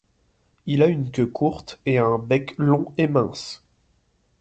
Il a une queue courte et un bec long et mince.